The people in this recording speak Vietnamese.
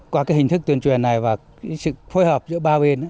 qua cái hình thức tuyên truyền này và sự phối hợp giữa ba bên